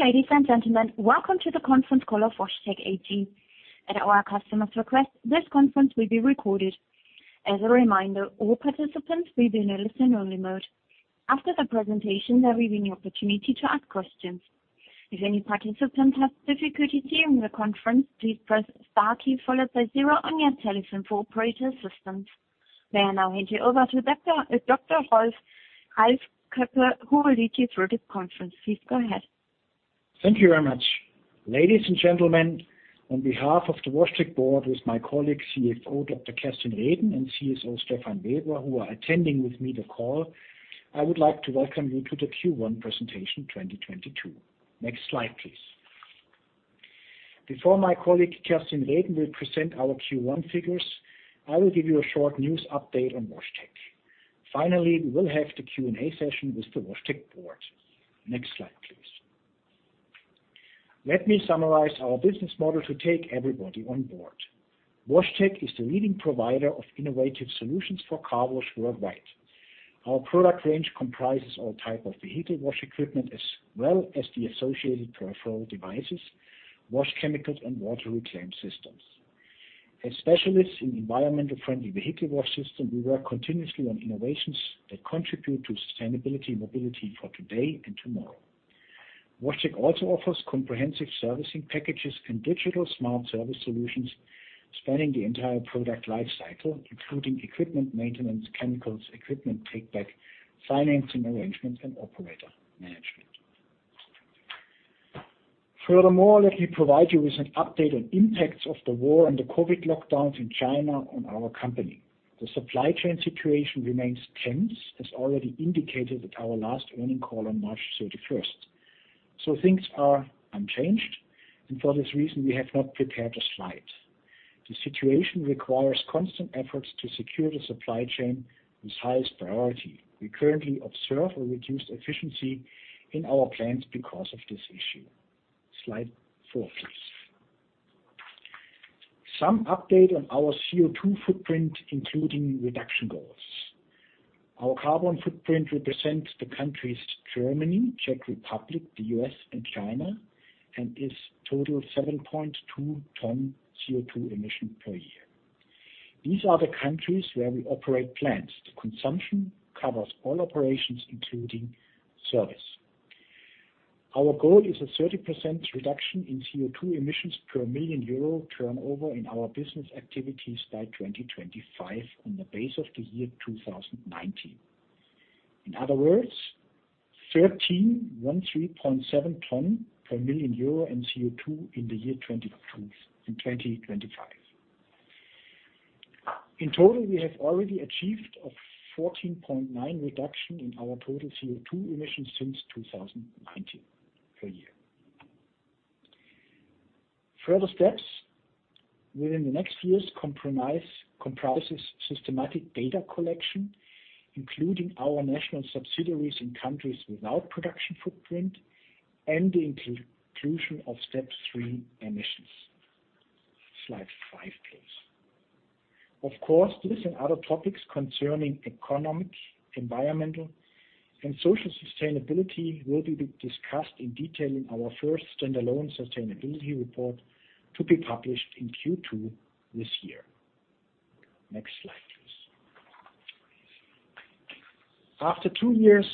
Good ladies and gentlemen. Welcome to the Conference Call of WashTec AG. At our customer's request, this conference will be recorded. As a reminder, all participants will be in a listen-only mode. After the presentation, there will be an opportunity to ask questions. If any participant has difficulty hearing the conference, please press star key followed by zero on your telephone for operator assistance. May I now hand you over to Dr. Ralf Koeppe, who will lead you through the conference. Please go ahead. Thank you very much. Ladies and gentlemen, on behalf of the WashTec board, with my colleague, CFO, Dr. Kerstin Reden, and CSO, Stephan Weber, who are attending with me the call, I would like to welcome you to the Q1 Presentation 2022. Next slide, please. Before my colleague, Kerstin Reden, will present our Q1 figures, I will give you a short news update on WashTec. Finally, we will have the Q&A session with the WashTec board. Next slide, please. Let me summarize our business model to take everybody on board. WashTec is the leading provider of innovative solutions for car wash worldwide. Our product range comprises all type of vehicle wash equipment, as well as the associated peripheral devices, wash chemicals and water reclaim systems. As specialists in environmentally friendly vehicle wash system, we work continuously on innovations that contribute to sustainability and mobility for today and tomorrow. WashTec also offers comprehensive servicing packages and digital smart service solutions spanning the entire product life cycle, including equipment maintenance, chemicals, equipment take back, financing arrangements, and operator management. Furthermore, let me provide you with an update on impacts of the war and the COVID lockdowns in China on our company. The supply chain situation remains tense, as already indicated at our last earnings call on March 31st. Things are unchanged, and for this reason, we have not prepared a slide. The situation requires constant efforts to secure the supply chain with highest priority. We currently observe a reduced efficiency in our plants because of this issue. Slide four, please. Some update on our CO2 footprint, including reduction goals. Our carbon footprint represents the countries Germany, Czech Republic, the U.S. and China, and totals 7.2 tons CO2 emissions per year. These are the countries where we operate plants. The consumption covers all operations, including service. Our goal is a 30% reduction in CO2 emissions per 1 million euro turnover in our business activities by 2025 on the basis of the year 2019. In other words, 13.1,3.7 tons per EUR 1 million in CO2 in the year 2025. In total, we have already achieved a 14.9 reduction in our total CO2 emissions since 2019 per year. Further steps within the next years comprises systematic data collection, including our national subsidiaries in countries without production footprint and the inclusion of step three emissions. Slide five, please. Of course, this and other topics concerning economic, environmental and social sustainability will be discussed in detail in our first standalone sustainability report to be published in Q2 this year. Next slide, please. After two years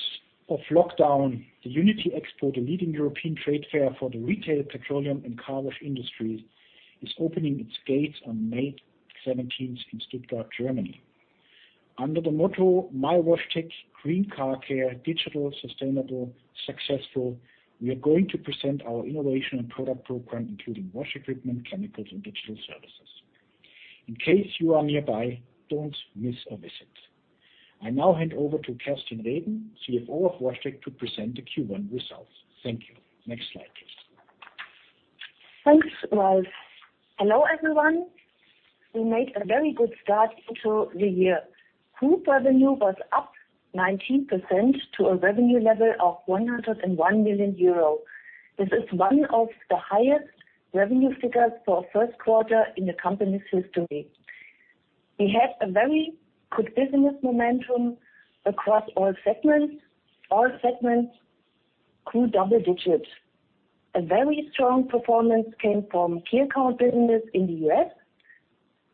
of lockdown, the UNITI expo, the leading European trade fair for the retail, petroleum and car wash industry, is opening its gates on May 17th in Stuttgart, Germany. Under the motto, mywashtec, Green Car Care, Digital, Sustainable, Successful, we are going to present our innovation and product program, including wash equipment, chemicals and digital services. In case you are nearby, don't miss a visit. I now hand over to Dr. Kerstin Reden, CFO of WashTec, to present the Q1 results. Thank you. Next slide, please. Thanks, Ralf. Hello, everyone. We made a very good start into the year. Group revenue was up 19% to a revenue level of 101 million euro. This is one of the highest revenue figures for a first quarter in the company's history. We have a very good business momentum across all segments. All segments grew double digits. A very strong performance came from ClearCount business in the U.S.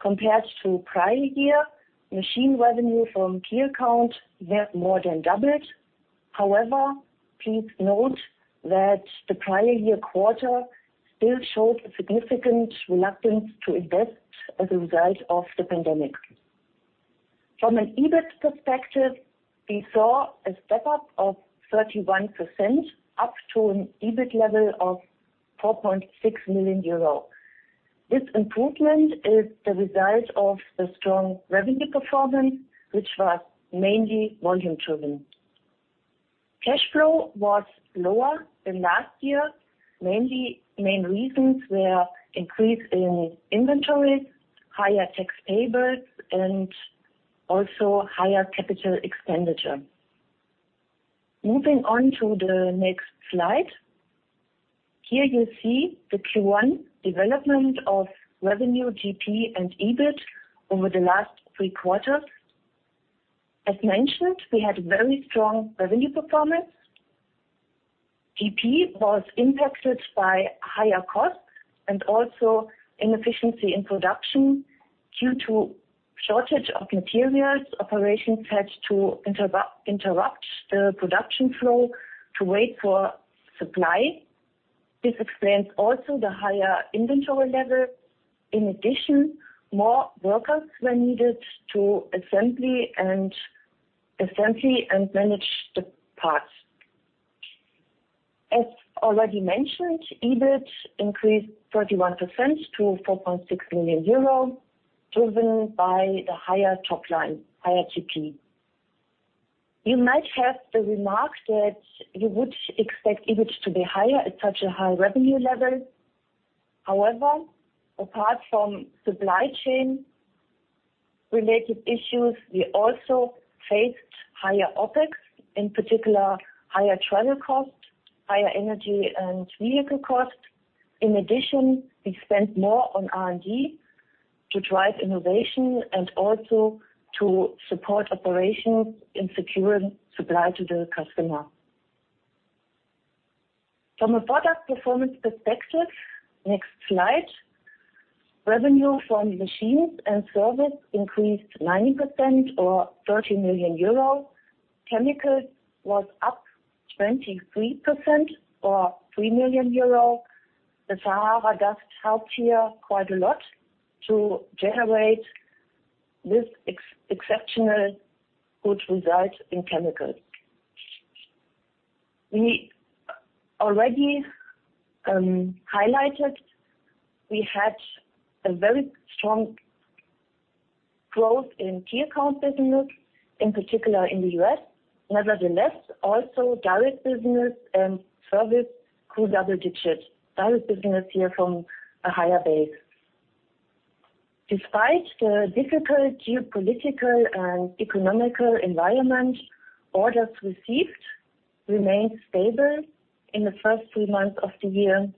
Compared to prior year, machine revenue from ClearCount more than doubled. However, please note that the prior year quarter still showed a significant reluctance to invest as a result of the pandemic. From an EBIT perspective, we saw a step up of 31% up to an EBIT level of 4.6 million euro. This improvement is the result of the strong revenue performance, which was mainly volume-driven. Cash flow was lower than last year. Mainly, main reasons were increase in inventory, higher tax payable, and also higher capital expenditure. Moving on to the next slide. Here you see the Q1 development of revenue, GP and EBIT over the last three quarters. As mentioned, we had very strong revenue performance. GP was impacted by higher costs and also inefficiency in production. Due to shortage of materials, operations had to interrupt the production flow to wait for supply. This explains also the higher inventory level. In addition, more workers were needed to assemble and manage the parts. As already mentioned, EBIT increased 31% to 4.6 million euro, driven by the higher top line, higher GP. You might have the remarks that you would expect EBIT to be higher at such a high revenue level. However, apart from supply chain related issues, we also faced higher OpEx, in particular higher travel costs, higher energy and vehicle costs. In addition, we spent more on R&D to drive innovation and also to support operations in securing supply to the customer. From a product performance perspective, next slide. Revenue from machines and service increased 90% or 30 million euro. Chemical was up 23% or 3 million euro. The Sahara dust helped here quite a lot to generate this exceptional good result in chemicals. We already highlighted we had a very strong growth in key account business, in particular in the US. Nevertheless, also direct business and service grew double digits. Direct business here from a higher base. Despite the difficult geopolitical and economic environment, orders received remained stable in the first three months of the year.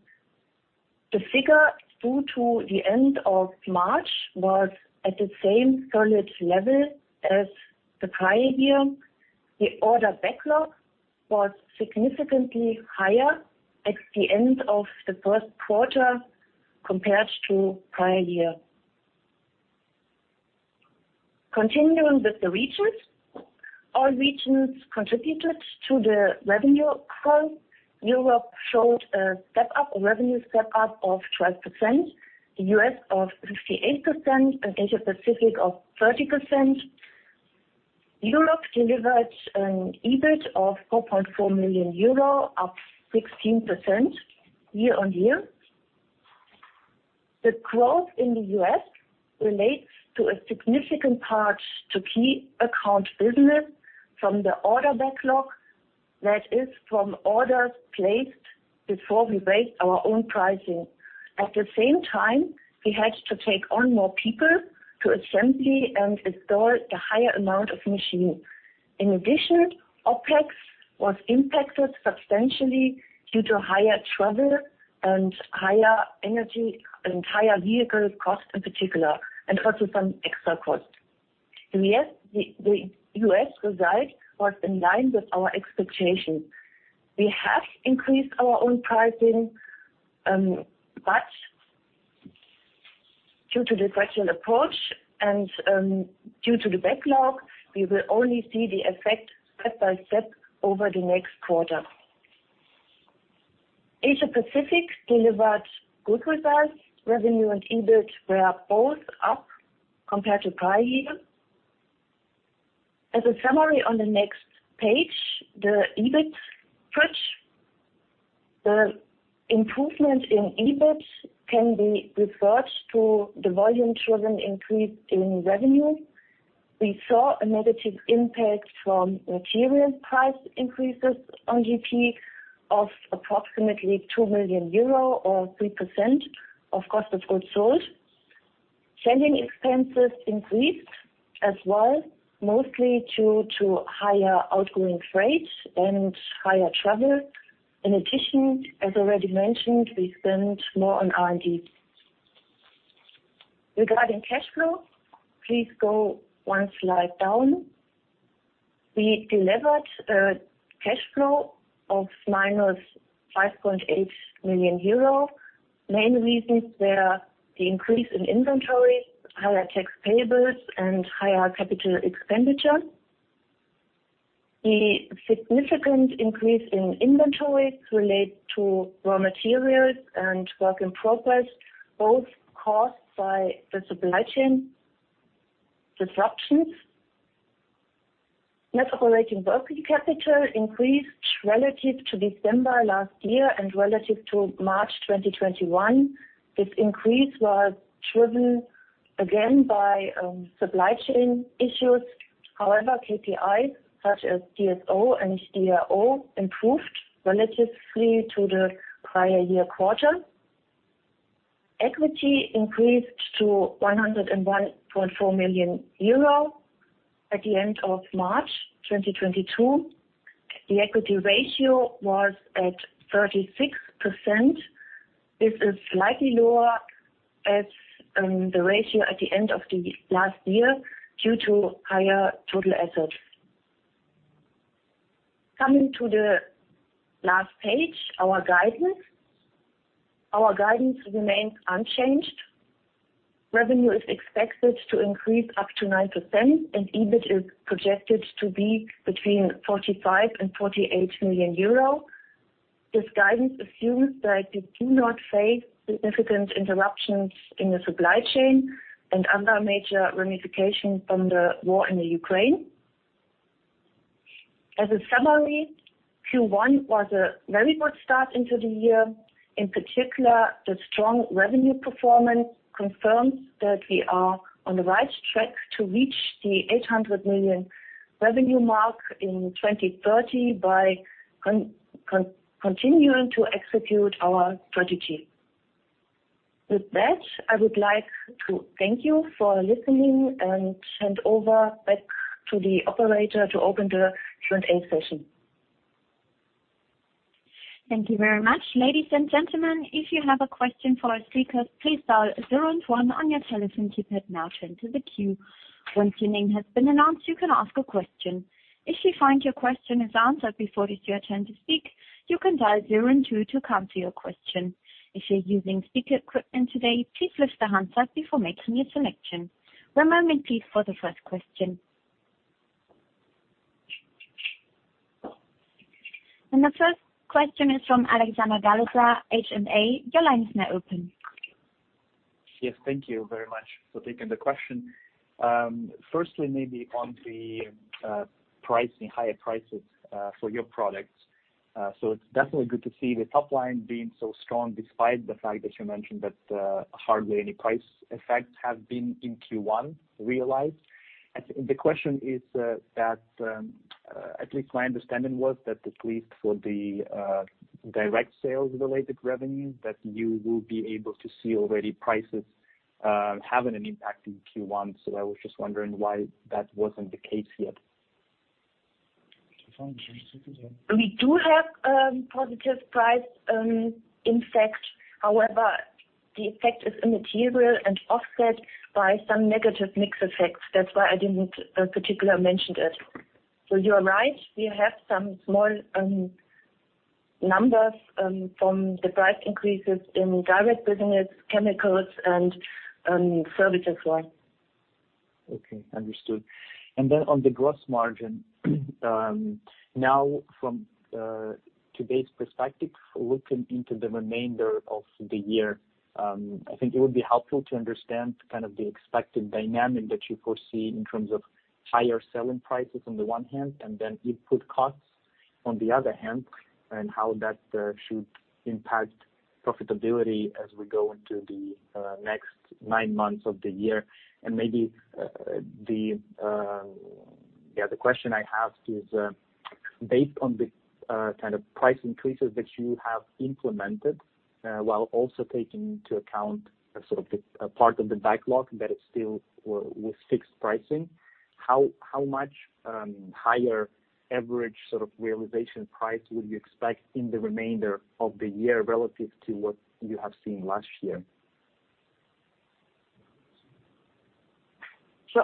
The figure through to the end of March was at the same solid level as the prior year. The order backlog was significantly higher at the end of the first quarter compared to prior year. Continuing with the regions. All regions contributed to the revenue growth. Europe showed a step-up, a revenue step-up of 12%, the US of 58%, and Asia Pacific of 30%. Europe delivered an EBIT of 4.4 million euro, up 16% year-on-year. The growth in the US relates in a significant part to key account business from the order backlog, that is from orders placed before we raised our own pricing. At the same time, we had to take on more people to assemble and install the higher amount of machines. In addition, OpEx was impacted substantially due to higher travel and higher energy and higher vehicle costs in particular, and also some extra costs. In the US, the result was in line with our expectations. We have increased our own pricing, but due to the fractional approach and, due to the backlog, we will only see the effect step by step over the next quarter. Asia Pacific delivered good results. Revenue and EBIT were both up compared to prior year. As a summary on the next page, the EBIT bridge. The improvement in EBIT can be referred to the volume driven increase in revenue. We saw a negative impact from material price increases on GP of approximately 2 million euro or 3% of cost of goods sold. Selling expenses increased as well, mostly due to higher outgoing freight and higher travel. In addition, as already mentioned, we spent more on R&D. Regarding cash flow, please go one slide down. We delivered a cash flow of minus 5.8 million euro. Main reasons were the increase in inventory, higher tax payables and higher capital expenditure. The significant increase in inventory relate to raw materials and work in progress, both caused by the supply chain disruptions. Net operating working capital increased relative to December last year and relative to March 2021. This increase was driven again by supply chain issues. However, KPIs such as DSO and DRO improved relatively to the prior year quarter. Equity increased to 101.4 million euro at the end of March 2022. The equity ratio was at 36%. This is slightly lower as the ratio at the end of the last year due to higher total assets. Coming to the last page, our guidance. Our guidance remains unchanged. Revenue is expected to increase up to 9%, and EBIT is projected to be between 45 million and 48 million euro. This guidance assumes that we do not face significant interruptions in the supply chain and other major ramifications from the war in the Ukraine. As a summary, Q1 was a very good start into the year. In particular, the strong revenue performance confirms that we are on the right track to reach the 800 million revenue mark in 2030 by continuing to execute our strategy. With that, I would like to thank you for listening and hand over back to the operator to open the Q&A session. Thank you very much. Ladies and gentlemen, if you have a question for our speakers, please dial zero and one on your telephone keypad now to enter the queue. Once your name has been announced, you can ask a question. If you find your question is answered before it is your turn to speak, you can dial zero and two to come to your question. If you're using speaker equipment today, please lift the handset before making your selection. One moment, please, for the first question. The first question is from Alexander Galitsa, H&A. Your line is now open. Yes, thank you very much for taking the question. Firstly, maybe on the pricing, higher prices for your products. It's definitely good to see the top line being so strong despite the fact that you mentioned that hardly any price effects have been in Q1 realized. The question is that at least my understanding was that at least for the direct sales related revenue, that you will be able to see already prices having an impact in Q1. I was just wondering why that wasn't the case yet. We do have positive price impact. However, the effect is immaterial and offset by some negative mix effects. That's why I didn't particularly mention it. You are right, we have some small numbers from the price increases in direct business, chemicals and services one. Okay, understood. On the gross margin, now from today's perspective, looking into the remainder of the year, I think it would be helpful to understand kind of the expected dynamic that you foresee in terms of higher selling prices on the one hand, and then input costs on the other hand, and how that should impact profitability as we go into the next nine months of the year. Maybe the question I have is, based on the kind of price increases that you have implemented, while also taking into account sort of the part of the backlog that is still with fixed pricing, how much higher average sort of realization price would you expect in the remainder of the year relative to what you have seen last year?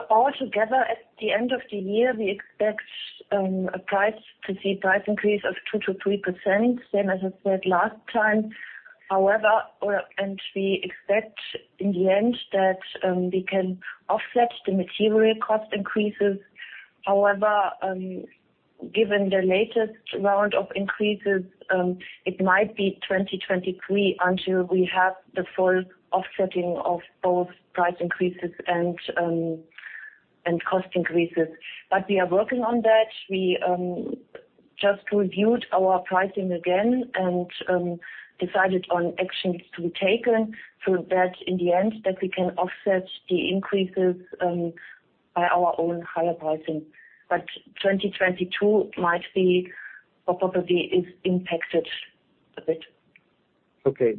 All together, at the end of the year, we expect to see a price increase of 2%-3%, same as I said last time. However, we expect in the end that we can offset the material cost increases. However, given the latest round of increases, it might be 2023 until we have the full offsetting of both price increases and cost increases. We are working on that. We just reviewed our pricing again and decided on actions to be taken so that in the end, that we can offset the increases by our own higher pricing. 2022 might be, or probably is, impacted a bit. Okay.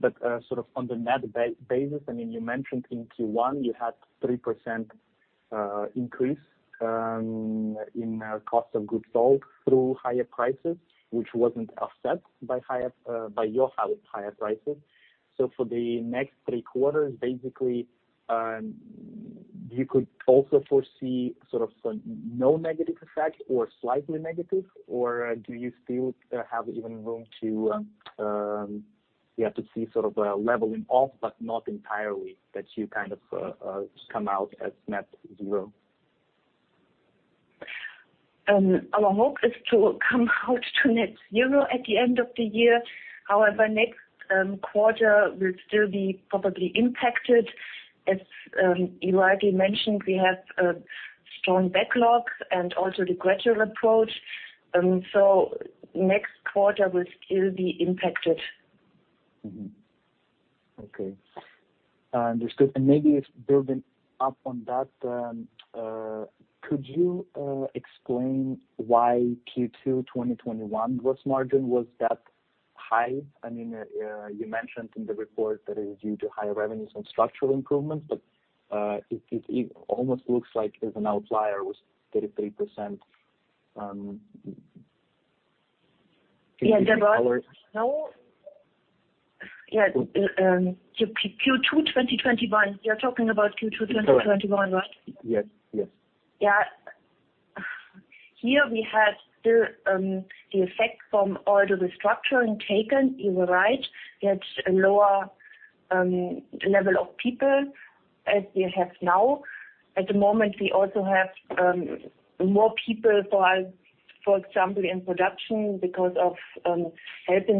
Sort of on the net basis, I mean, you mentioned in Q1 you had 3% increase in cost of goods sold through higher prices, which wasn't offset by your higher prices. For the next three quarters, basically, you could also foresee sort of some no negative effect or slightly negative, or do you still have even room to, yeah, to see sort of a leveling off, but not entirely, that you kind of come out as net zero? Our hope is to come out to net zero at the end of the year. However, next quarter will still be probably impacted. As you rightly mentioned, we have a strong backlog and also the gradual approach. Next quarter will still be impacted. Okay. Understood. Maybe just building up on that, could you explain why Q2 2021 gross margin was that high. I mean, you mentioned in the report that it is due to higher revenues and structural improvements, but it almost looks like there's an outlier with 33%. Yeah. Q2 2021. You're talking about Q2 2021, right? Yes, yes. Yeah. Here we had the effect from all of the restructuring taken. You are right. We had a lower level of people as we have now. At the moment, we also have more people, for example, in production because of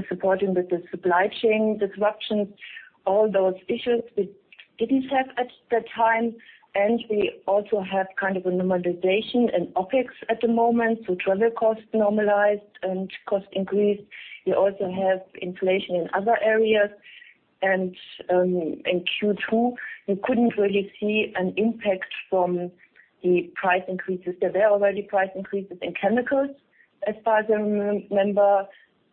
supporting with the supply chain disruptions. All those issues we didn't have at that time. We also have kind of a normalization in OpEx at the moment, so travel costs normalized and cost increase. We also have inflation in other areas. In Q2, you couldn't really see an impact from the price increases. There were already price increases in chemicals, as far as I remember.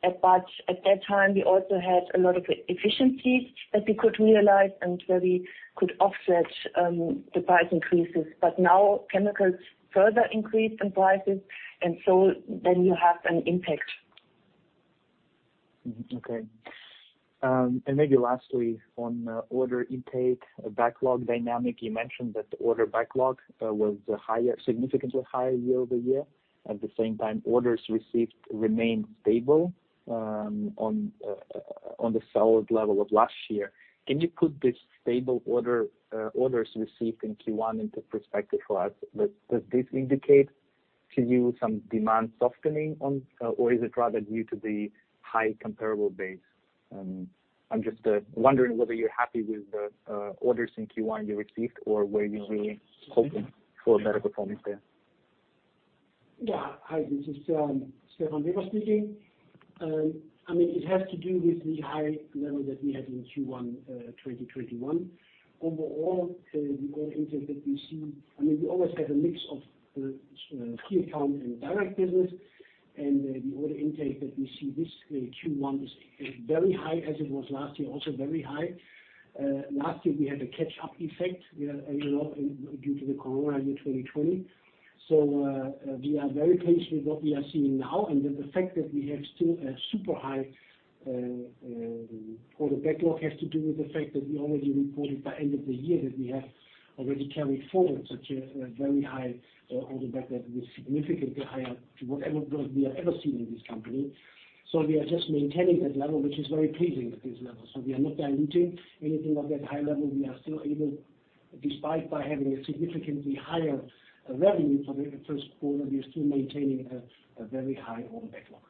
At that time, we also had a lot of efficiencies that we could realize and where we could offset the price increases. Now chemicals further increase in prices and so then you have an impact. Okay. Maybe lastly on order intake backlog dynamic, you mentioned that the order backlog was higher, significantly higher year-over-year. At the same time, orders received remained stable on the sales level of last year. Can you put this stable orders received in Q1 into perspective for us? Does this indicate to you some demand softening, or is it rather due to the high comparable base? I'm just wondering whether you're happy with the orders in Q1 you received, or were you really hoping for a better performance there? Yeah. Hi, this is, Stephan Weber speaking. I mean, it has to do with the high level that we had in Q1, 2021. Overall, the order intake that we see, I mean, we always have a mix of, key account and direct business, and the order intake that we see this Q1 is very high as it was last year, also very high. Last year we had a catch-up effect, we had, you know, due to the corona in 2020. We are very pleased with what we are seeing now. The fact that we have still a super high order backlog has to do with the fact that we already reported by end of the year that we have already carried forward such a very high order backlog with significantly higher to whatever growth we have ever seen in this company. We are just maintaining that level, which is very pleasing at this level. We are not diluting anything of that high level. We are still able, despite having a significantly higher revenue for the first quarter, we are still maintaining a very high order backlog.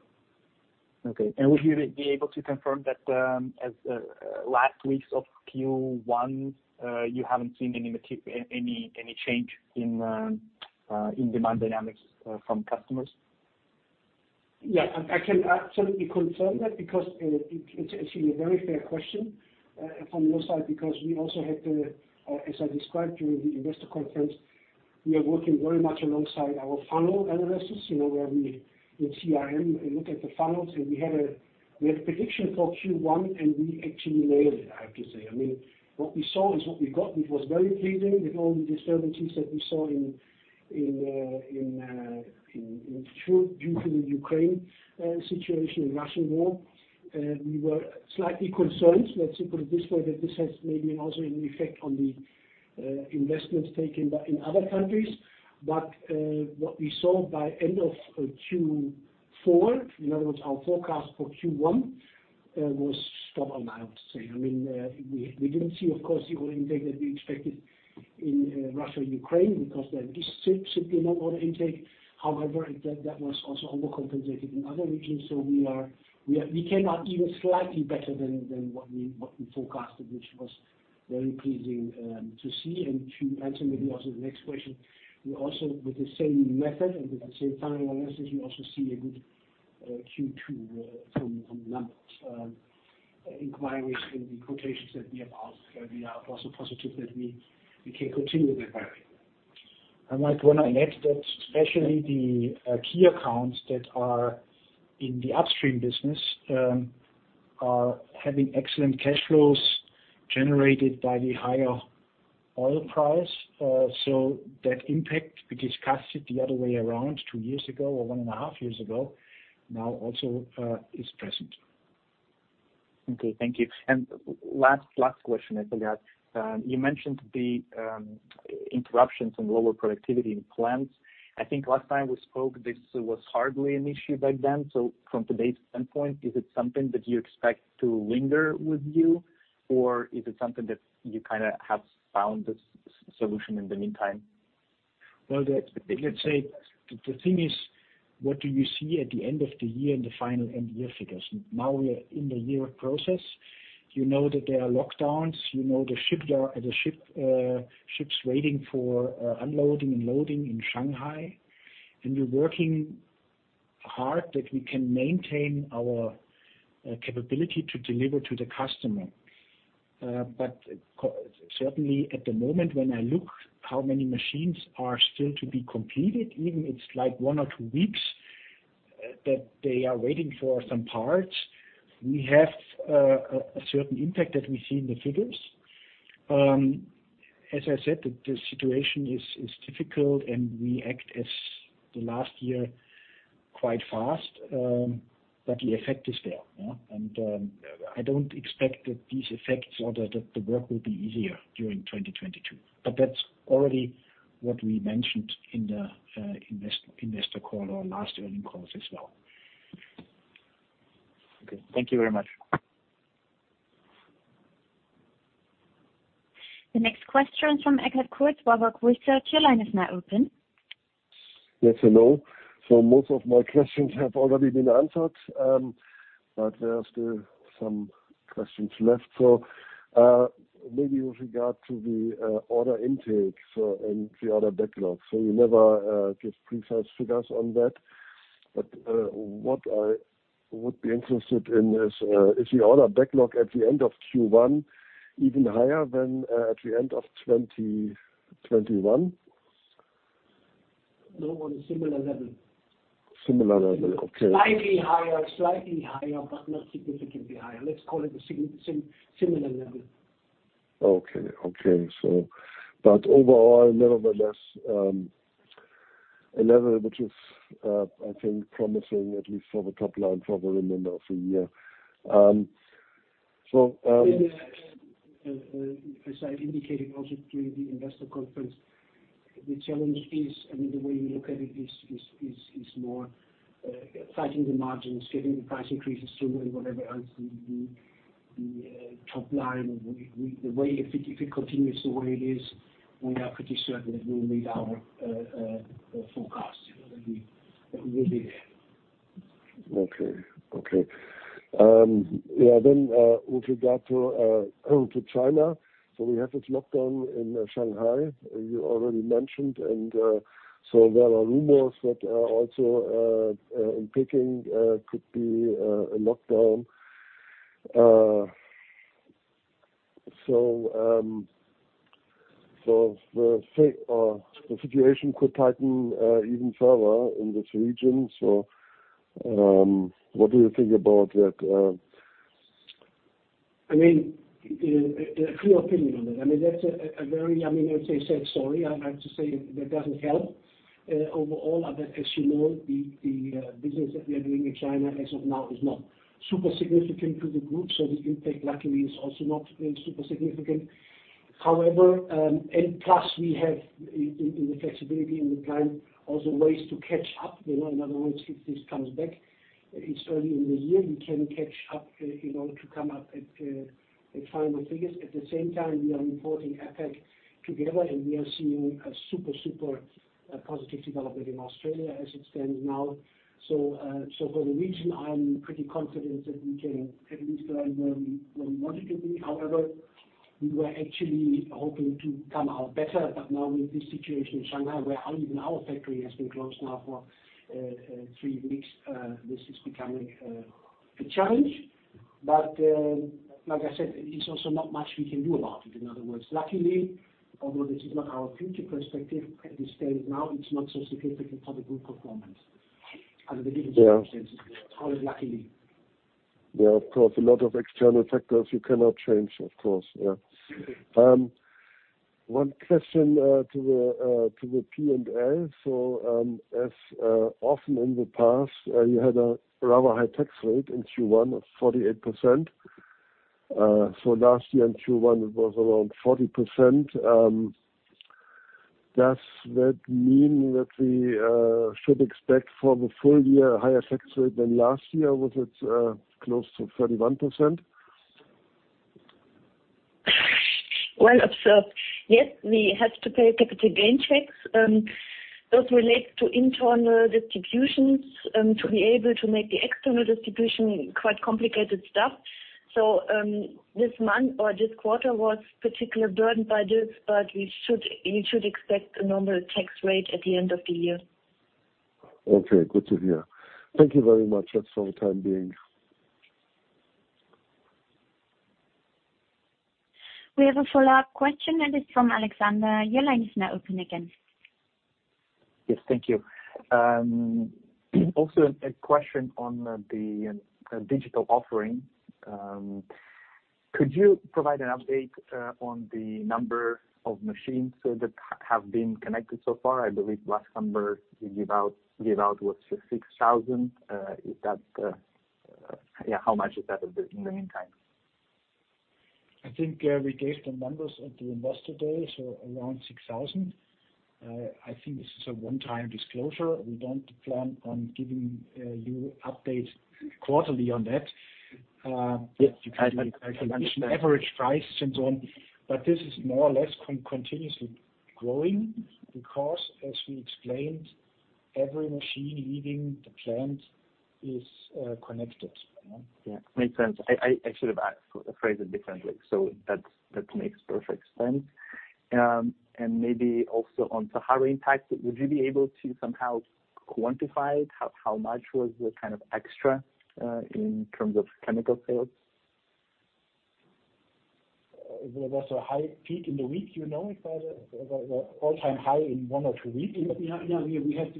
Okay. Would you be able to confirm that, in last weeks of Q1, you haven't seen any change in demand dynamics from customers? Yeah. I can absolutely confirm that because it's actually a very fair question from your side, because we also had, as I described during the investor conference, we are working very much alongside our funnel analysis, you know, where we in CRM look at the funnels, and we had a prediction for Q1, and we actually nailed it, I have to say. I mean, what we saw is what we got, which was very pleasing with all the disturbances that we saw in due to the Ukraine situation and Russian war. We were slightly concerned, let's put it this way, that this has maybe also an effect on the investments taken by in other countries. What we saw by end of Q4, in other words, our forecast for Q1, was spot on, I would say. I mean, we didn't see, of course, the order intake that we expected in Russia and Ukraine because there is simply no order intake. However, that was also overcompensated in other regions. We came out even slightly better than what we forecasted, which was very pleasing to see. To answer maybe also the next question, we also with the same method and with the same funnel analysis, we also see a good Q2 from numbers, inquiries and the quotations that we have out. We are also positive that we can continue that way. I might want to add that especially the key accounts that are in the upstream business are having excellent cash flows generated by the higher oil price. That impact we discussed the other way around two years ago or one and a half years ago. Now also is present. Okay, thank you. Last question I forgot. You mentioned the interruptions and lower productivity in plants. I think last time we spoke, this was hardly an issue back then. From today's standpoint, is it something that you expect to linger with you, or is it something that you kinda have found a solution in the meantime? Well, let's say the thing is, what do you see at the end of the year in the final end-year figures? Now we are in the year process. You know that there are lockdowns, you know the ships waiting for unloading and loading in Shanghai. We're working hard that we can maintain our capability to deliver to the customer. Certainly at the moment, when I look how many machines are still to be completed, even it's like one or two weeks that they are waiting for some parts. We have a certain impact that we see in the figures. As I said, the situation is difficult, and we acted last year quite fast. The effect is there, yeah. I don't expect that these effects or the work will be easier during 2022. That's already what we mentioned in the investor call or last earnings calls as well. Okay, thank you very much. The next question is from Eckhard Cord, Baader Bank. Your line is now open. Yes, hello. Most of my questions have already been answered. There are still some questions left. Maybe with regard to the order intake and the order backlog. You never give precise figures on that. What I would be interested in is the order backlog at the end of Q1 even higher than at the end of 2021? No, on a similar level. Similar level, okay. Slightly higher, but not significantly higher. Let's call it a similar level. Okay. Overall, nevertheless, a level which is, I think, promising, at least for the top line for the remainder of the year. Yeah, yeah. As I indicated also during the investor conference, the challenge is, I mean, the way we look at it is more fighting the margins, getting the price increases through and whatever else the top line. The way, if it continues the way it is, we are pretty certain that we will meet our forecast. You know, that we will be. With regard to China, we have this lockdown in Shanghai you already mentioned. There are rumors that also in Beijing could be a lockdown. The situation could tighten even further in this region. What do you think about that? I mean, a clear opinion on that. I mean, that's a very, I mean, as I said, sorry, I have to say that doesn't help. Overall, as you know, the business that we are doing in China as of now is not super significant to the group, so the impact luckily is also not super significant. However, and plus we have in the flexibility and the time also ways to catch up, you know. In other words, if this comes back, it's early in the year, we can catch up in order to come up at final figures. At the same time, we are reporting APAC together, and we are seeing a super positive development in Australia as it stands now. For the region, I'm pretty confident that we can at least land where we wanted to be. However, we were actually hoping to come out better. Now with this situation in Shanghai, where even our factory has been closed now for three weeks, this is becoming a challenge. Like I said, it is also not much we can do about it, in other words. Luckily, although this is not our future perspective, at this stage now, it's not so significant for the group performance. As I believe. Yeah. It makes sense. Only luckily. Yeah, of course, a lot of external factors you cannot change, of course, yeah. One question to the P&L. As often in the past, you had a rather high tax rate in Q1 of 48%. Last year in Q1, it was around 40%. Does that mean that we should expect for the full year a higher tax rate than last year, was it close to 31%? Well observed. Yes, we have to pay capital gain tax. Those relate to internal distributions to be able to make the external distribution quite complicated stuff. This month or this quarter was particularly burdened by this, but we should, you should expect a normal tax rate at the end of the year. Okay, good to hear. Thank you very much. That's for the time being. We have a follow-up question, and it's from Alexander. Your line is now open again. Yes, thank you. Also a question on the digital offering. Could you provide an update on the number of machines that have been connected so far? I believe last number you gave out was 6,000. Is that how much has that been in the meantime? I think we gave the numbers at the investor day, so around 6,000. I think this is a one-time disclosure. We don't plan on giving you update quarterly on that. You can do the calculation. Yes. Average price and so on. This is more or less continuously growing because, as we explained, every machine leaving the plant is connected. Yeah. Yeah. Makes sense. I should have asked, phrased it differently. That makes perfect sense. Maybe also on Sahara impact, would you be able to somehow quantify how much was the kind of extra in terms of chemical sales? There was a high peak in the week, you know, it was an all-time high in one or two weeks. Yeah, yeah. We had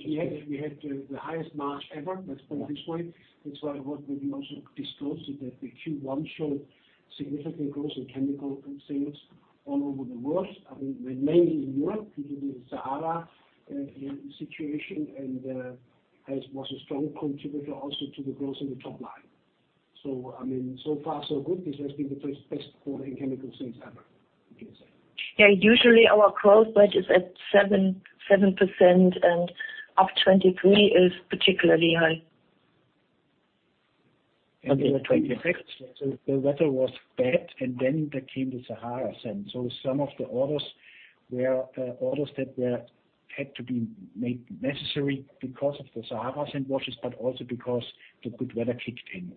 the highest March ever. That's been this way. That's why what we also disclosed is that the Q1 showed significant growth in chemical sales all over the world. I mean, mainly in Europe, due to the Sahara situation, and Sahara was a strong contributor also to the growth in the top line. I mean, so far so good. This has been the best quarter in chemical sales ever, you can say. Yeah, usually our growth rate is at 7%, and up 23% is particularly high. In 2023, the weather was bad, and then there came the Sahara sand. Some of the orders had to be made necessary because of the Sahara sand washes, but also because the good weather kicked in.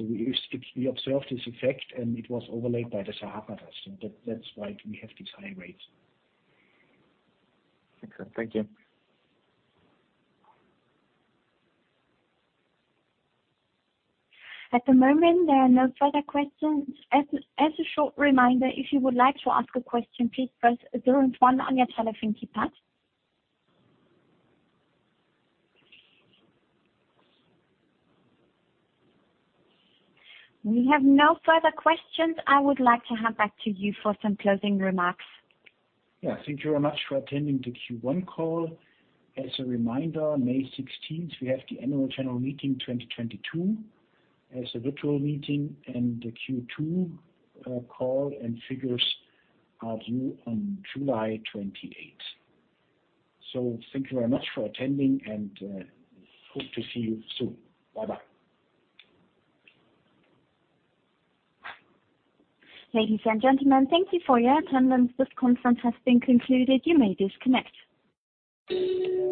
We observed this effect, and it was overlaid by the Sahara dust. That's why we have these high rates. Okay, thank you. At the moment, there are no further questions. As a short reminder, if you would like to ask a question, please press zero and one on your telephone keypad. We have no further questions. I would like to hand back to you for some closing remarks. Yeah. Thank you very much for attending the Q1 call. As a reminder, on May 16th, we have the annual general meeting 2022 as a virtual meeting, and the Q2 call and figures are due on July 28. Thank you very much for attending, and hope to see you soon. Bye-bye. Ladies and gentlemen, thank you for your attendance. This conference has been concluded. You may disconnect.